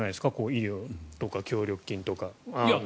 医療とか協力金とか。